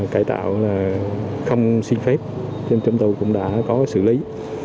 cải tạo là không xin phép chúng tôi cũng đã có xử lý